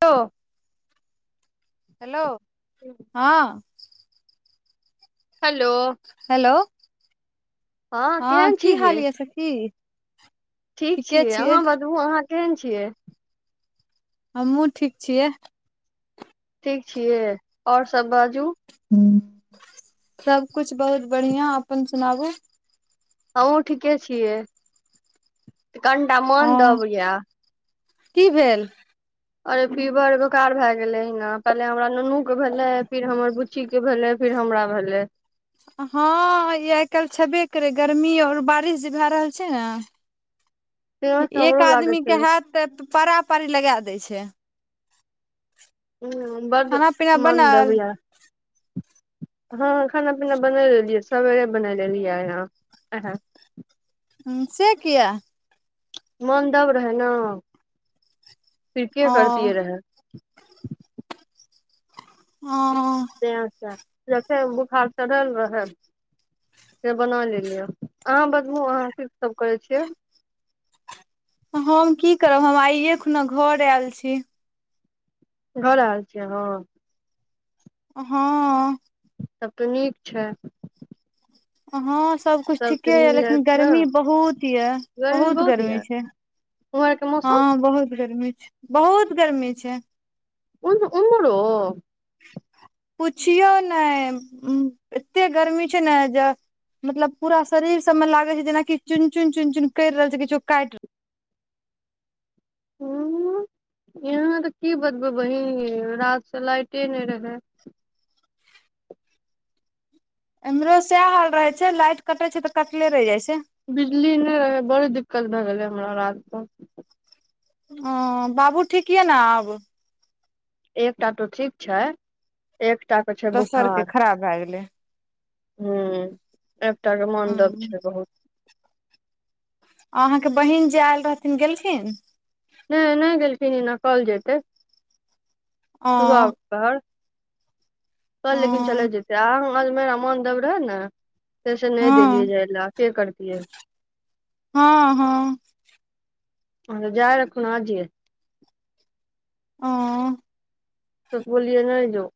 त हेलो हँ hello hello हँ केहन की छी गे हाल य सखी ठीक छियै अहाँ बतबु अहाँ केहन छियै हमहूँ ठीक छियै ठीक छियै आओर सभ बाजू सभकिछु बहुत बढ़िआँ अपन सुनाबू हमहूँ ठीके छियै कनिटा अ मोन दब या की भेल अरे फीवर बेकार भए गेलै ह ने पहिले हमरा नुनू के भेलै फिर हमर बुच्ची के भेले फिर फिर हमरा भेलै हँ ई आइ काल्हि छेबे करै गर्मी आओर बारिश जे भए रहल छै ने त एक हमरो लागैत आदमी के छलै हे त तऽ पारा पारी लगेए दै छै ह बड खाना पीना बनल मनदबया हँ खाना पीना बनय लेलियै सवेरे बनय लेलियैहाँ उएह हुँ से किया मनदब रहै न फिर के ओ करतिये रहै ओ तैं जते बुखार चढ़ल रहल से बना लेलियै अहाँ बतबू अहाँ कीसभ करै छियै हम की करब हम आइए खुना घर आयल छी घर आइल छियै अहाँ हँ सभ तऽ नीक छै हँ सब कुछ ठीके सबसँ यऽ मिल लेकिन जायत ने गर्मी बहुत ये बहुत गर्मी छै उम्हर आरके मौसम हँ बहुत गर्मी छै बहुत गर्मी छै उन उमरो पुछियौ ने एते गर्मी छै न ज मतलब पूरा शरीर सभमे लागै छै जेनाकि चुनि चुनि चुनि चुन करि रहल छै किछो काटि रहल उम्म आ यहाँ तऽ की बतबै बहीन रातसँ लाइटे नहि रहै इमहरो सएह हाल रहे छै लाइट कटे छै तऽ कटले रहि जाइ छै बिजली नहि रहै बड़ दिक्कत भए गेलै हमरा रातमे ओ बाबू ठीक यए न आब एकटा तऽ ठीक छै एकटाके छै दोसर के बुखार खराब भए गेलै हु एकटाके मन दब छै बहुत अहाँके बहिन जे आयल रहथिन गेलखिन नहि नहि गेलखिन एना कल जेतै ओ सुबह कल लेकिन चले हँ जेतै आ हमर मोन दब रहै ने तेसँ नहि देेलियए हँ जाइ ऐबे कर तियऐ हँ हँ अ त जाअ त रहल छिय हाँ बोलियए नहि जो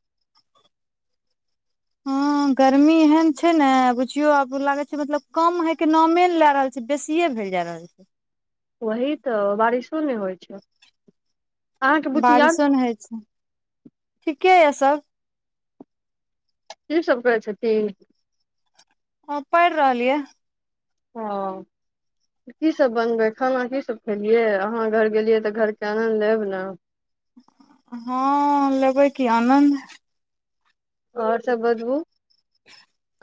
हुँ गर्मी एहेन छै ने बुझियो आब लागे छै मतलब कम हे के नामे ने लए रहल छै बेसीए खायले जा रहल छै वही तऽ बारिशो नहि होइ छै अहाँके बुच्ची याद बारिशो नहि होइ छै ठीके यए सभ किसभ करै छथिन अ पढ़ि रहल यऽ हँ किसभ बनबै खाना किसभ खेलियै अहाँ घर गेलियै तऽ घरके आनन्द लेब ने हँ लेबै कि आनन्द आओर सभ बतबू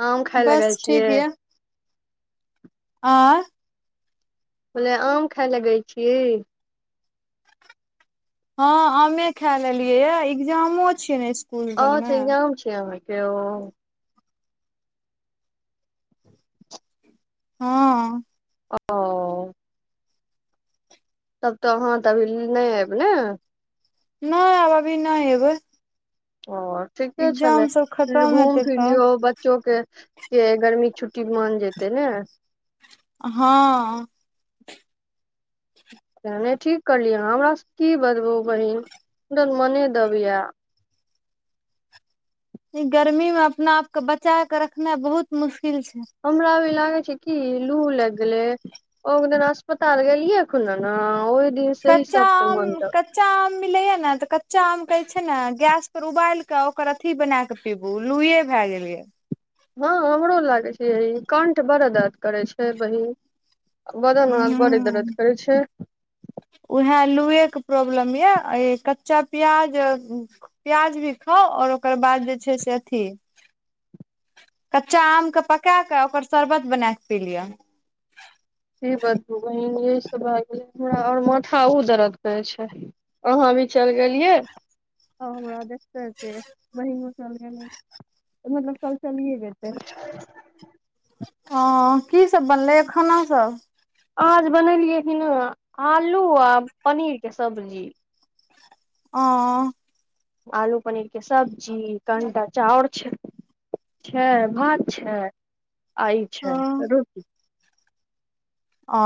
आम खाय लए बस गेल छियै आ बलै आम खाय गेल छी हँ आमे खाय लेलियै ये इग्जामो छियै ने स्कूल अ सबमे छै इग्जाम छै अहांके ओ हँ अ -ओ तब तऽ अहाँ तऽ अखन नहि आयब ने नहि आब अभी नहि अयबै ओ ठीके छले खतम घूम हेतै फिर तब लियो बच्चो के के गर्मी छुटटी मन जेतै ने हँ नहि ठीक करलियै हमरास की बजबू बहिन हमर मने दब या गर्मीमे अपना आपक बचाक रखनाय बहुत मुश्किल छै हमरा कहे छै कि लू लग गेलै ओ दिन अस्पताल गेलियए खुना ने दिन से ही कच्चा सबके आम मन दब कच्चा आम आम मिलय तऽ कच्चा आम कऽ छैने गैस पर उबाल क ओकर अथि बना कऽ पीबू भए गेलै हँ हमरो लागै छै यहि कण्ठ बड़े दर्द करै छै बहीन बादन हाथ बड़ी दरद करै छै उऊहे लुए के प्रॉब्लम ये कच्चा प्याज प्याज भी खाउ आओर ओकर बाद जे छै से अथी कच्चा आमके पकाए कऽ ओकर शरबत बना कऽ पी लिअ की बतबू बहिन य सब भए गेल हमरा आओर माथा ऊ दर्द करै छै अभी चल गेलियै आ हमरा देखते से चल मतलब कल चलिए [unintelligible] ह की सब बनलैए खाना सब आज बनेलियै कि ह आलू आ पनीरके सब्जी ह आलू पनीरके सब्जी कणटाा चाउर छै छै भात छै आ ई छै रोटी ओ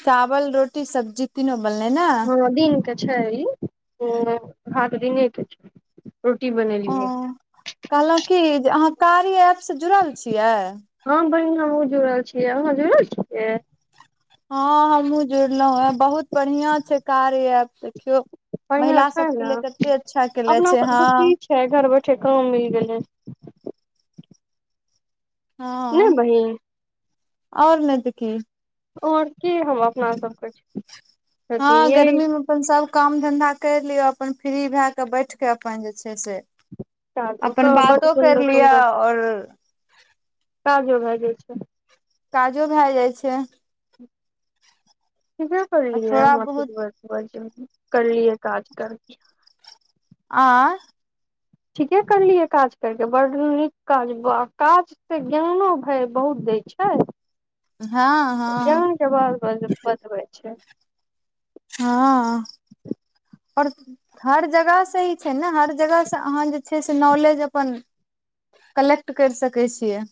चावल रोटी सब्जी तीनो बनल ने हँ दिन के छै भाग दिने के छै रोटी ओ बनेलियै कहलहुँ की जे अहाँ कारी ऐपसँ जुड़ल छियै हमँ जुड़ल छियै अहाँ जुड़ल छियै हँ हमहुँ जुड़लउ हेँ बहुत बढ़िआं छै कार्य ऐप देखियौ बढ़िया महिला छै सबके ने लिए कते अच्छा कनेे अपना छै हँ सबके की छै घर बैठे काम मिल गेलै नहि बहिन ओर नहि देखऽ की ओर की हम अपना सबकछु हँ गर्मी मे अपन सभ काम धंधा कर लियौ अपन फ्री भए क बैठ के अपन जे छै [unintelligible] से काज अपन ओकर बड बातो कर लिय आऔर ताजो भए जाइ छै काजो भए जाइ छै ठीके आ करलियै थोड़ा बहुत अहां करलियए काज करके आ ठीके करलियै काज करकेऽ बड़ नीक काज ब काज से ज्ञानो भाय बहुत दै छै हँ हँ बनबै छै हँ ओर हर जगहसँ ही छै ने हर जगहसँ अहाँ जे छै से नॉलेज अपन कलेक्ट करि सकैत छियै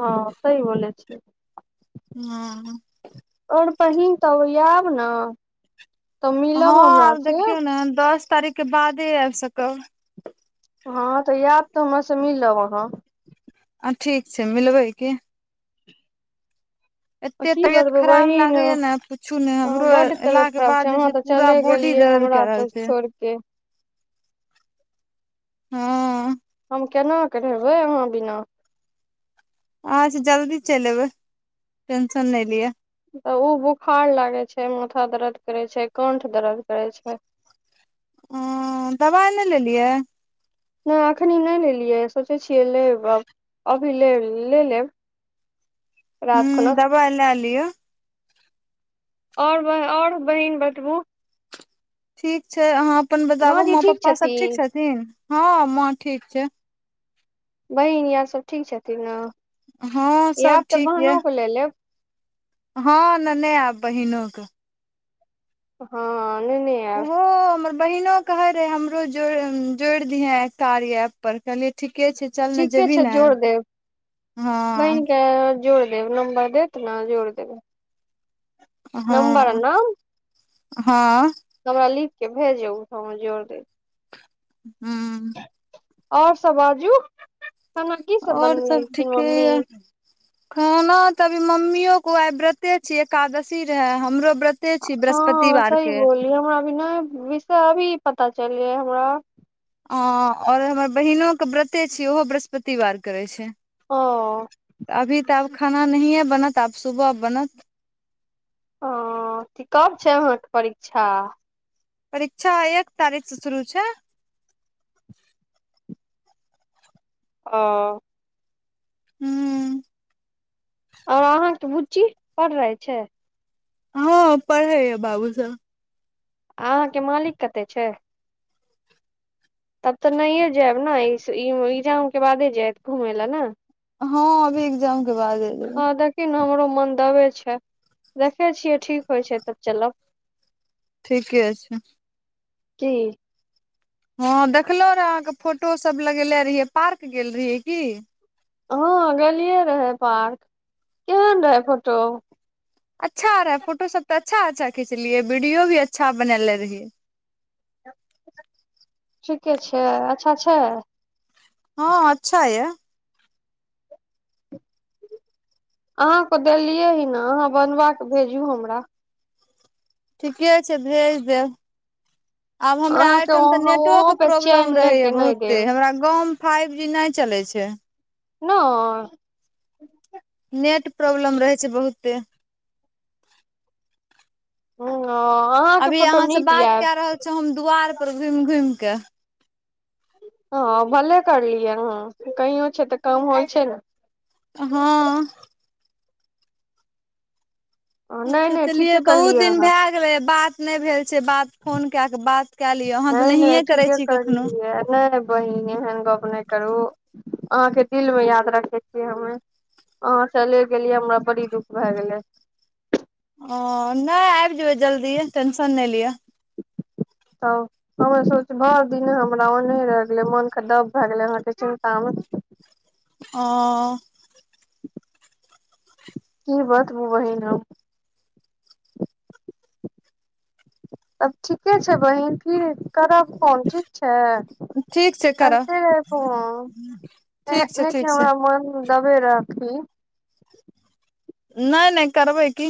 हँ स ई बो छियै हँ पहिन तऽ आब ने तऽ हँ मिलब हमरा आब से देखियौ ने दस तारीख के बादे आबि सकब हँ तऽ याद तऽ हमर से मिलब अहाँ ह ठीक छै मिलबै की एते की तबियत बतबै खराब बहिन लागे या ने पुछू ने हमरो बड एला तबियत के खराब बाद जे अहाँ छै तऽ पूरा चले बॉडी गेलियै दर्द क हमरा रहल तऽ छै छोड़ के हँ हम केना करेबै अहाँ बिना अहां सँ जल्दी चलि एबै टेंशन नहि लिअ तऽ ओ बोखार लागै छै माथा दर्द करै छै कणठ दर्द करै छै हां दबाइ नहि लेलियै नहि एखनी नहि लेलियै सोचै छियै लेबै अभी ले ले लेब रात हुँ खुना दबा लैलिय ओर ब ओर बहिन बतबू ठीक छै अहाँ अपन बताबू माँ पप्पासभ ठीक छथिन हँ माँ ठीक छै बहिन यार सब ठीक छथिन हँ सब आएब तऽ ठीक ये बहिनोके ले लेब हँ नेने आयब बहिनोके हँ नेने आयब ओहो हमर बहिनो कहै रहै हमरोड़ जोड़ि दिहे कार्या ऐप पर कहलियै ठीक के छै चल ने ठीके जेबही छै ने जोड़ देब हँ बहिन के जोड़ देब नम्बर देत ने जोड़ देब हँ हँ भेजो हम जोड़ दे हुँ आओर सब बाजू खाना की आओर सब बनेलखिन ठीके मम्मी य खाना तऽ मम्मी को आइ व्रते छिय एकादशी रहे हमरो व्रते छी हँ बृहस्पतिवार सही के बोली हमराभ नहि विषय अभी पता चल लै हमरा अ और हमर बहिनो के व्रते छिय ओहो बृहस्पतिवार करे छै ओ अभी तऽ आब खाना नहिय बनत आब सुबह बनत ह कब छै आहाँ के परीक्षा परीक्षा एक तारीख से सुरू छै ओ- हुँ - आओर अहाँके बुच्ची पढ़ रहे छै हँ पढ़ै य बाबू सब अहाँके मालिक कत छै तब तऽ नहिये जायब ने एगजाम के बादे जायत घुमय लए ने हँ अभी एकग्जाम आ देखहि ने हमरो मन दबै छै देखै छियै ठीक होइ छै तब चलब ठीके छै जी हँ देखलहु रहय अहाँ के फोटोसभ लगेेलने रहियै पार्क गेल रय की हँ गेलियै रहे पार्क केहन रहै फोटो अच्छा रहे फोटो सब तऽ अच्छा अच्छा खिचलियै वीडियो भी अच्छा बनले रहिय [inaudible] ठीके छै अच्छा छै हँ अच्छा या अहाँकेँ देलियै ह ने अहाँ बनबा कऽ भेजू हमरा ठीके छै भेज देब आब हमरा अहाँके एहिठाम तऽ अहाँ ओहो नेतोक पे प्रॉब्लम चेन ले के रहैएा नहि बहुते देब हमरा गामव फाइव जी नहि चलै छै नय नेट प्रोब्लम रहै छै बहुते ह अभी अहाँ से बात कए रहल छौ हम दुआार पर घुमि घुमि कऽ हँ भले करलियै ह कहि छै तऽ काम होइ छै ने हँ नहि नहि ठीके सोचलियै बहुत करलियै दिन अहाँ भए गेलै बात नहि भेल फोन कए क बात कय लिय अह तऽ नहि करै ठीके छी कखनो करलियै नहि बहिन एहन गप नहि करू अहाँके दिलमे याद रखै छियै हमे अहाँ चले गेलियै हमरा बड़ी दुख भए गेलै ह न आबि जेयबै जल्दी टेंशन नहि लिअ तब हमे सोच भरि दिन हमरा ओन्ह रहि गेलै मोन ख दब भए गेलै अहाँके चिन्तामे ओ फी बात म वहि नाम तब ठीके छै बहिन फिर करब फोन ठीक छै ठीक छै करऽ करते रहे फोन ठीक छै ठीक छै तबे रखी नहि नहि करबै की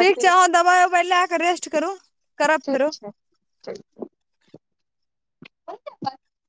ठीक छै अह दबा लेके रेस्ट करू करब फेरो ठ [unintelligible]